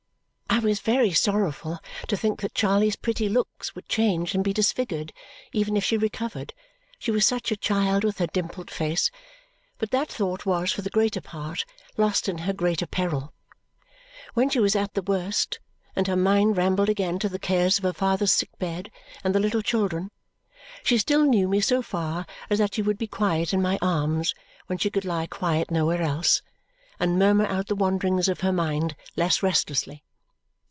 I was very sorrowful to think that Charley's pretty looks would change and be disfigured, even if she recovered she was such a child with her dimpled face but that thought was, for the greater part, lost in her greater peril. When she was at the worst, and her mind rambled again to the cares of her father's sick bed and the little children, she still knew me so far as that she would be quiet in my arms when she could lie quiet nowhere else, and murmur out the wanderings of her mind less restlessly.